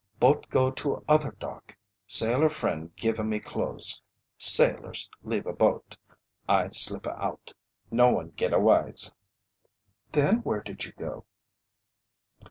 Boat go to other dock. Sailor friend giva me clothes. Sailors leave a boat. I slippa out. No one geta wise." "Then where did you go?"